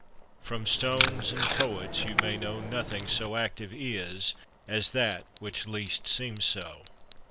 From stones and poets you may know, Nothing so active is, as that which least seems so.